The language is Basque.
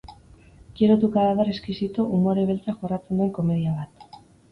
Quiero tu cadaver exquisito umore beltza jorratzen duen komedia bat.